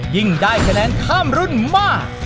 ยิ่งได้คะแนนข้ามรุ่นมาก